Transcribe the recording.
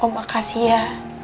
om makasih ya